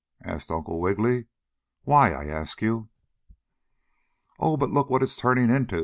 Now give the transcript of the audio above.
asked Uncle Wiggily. "Why, I ask you?" "Oh! But look what it's turning into!"